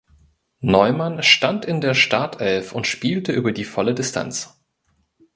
Neumann stand in der Startelf und spielte über die volle Distanz.